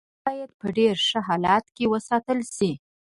موټر باید په ډیر ښه حالت کې وساتل شي